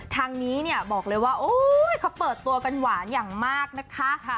ทางนี้เนี่ยบอกเลยว่าโอ๊ยเขาเปิดตัวกันหวานอย่างมากนะคะ